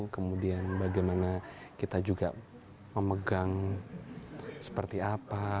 kemudian bagaimana kita juga memegang seperti apa